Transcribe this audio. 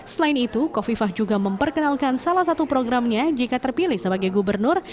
selain itu kofifah juga memperkenalkan salah satu programnya jika terpilih sebagai gubernur